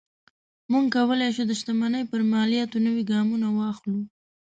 موږ کولی شو د شتمنۍ پر مالیاتو نوي ګامونه واخلو.